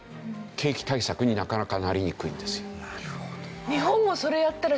景気対策になかなかなりにくいんですよ。